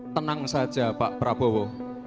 tenang saja pak prabowo